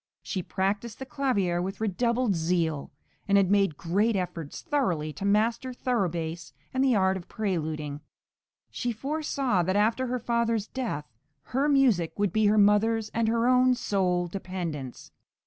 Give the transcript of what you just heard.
She practised the clavier with redoubled zeal, and had made great efforts thoroughly to master thorough bass and the art of preluding; she foresaw that after her father's death her {MANNHEIM.} (416) music would be her mother's and her own sole dependence.